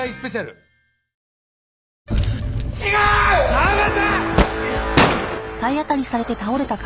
川端！